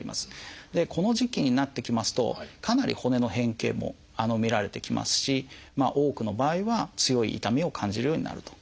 この時期になってきますとかなり骨の変形も見られてきますし多くの場合は強い痛みを感じるようになると。